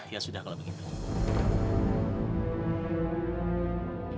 ya sudah kalau begitu